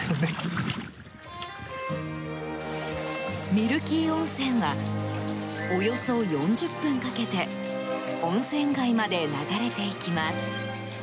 ミルキー温泉はおよそ４０分かけて温泉街まで流れていきます。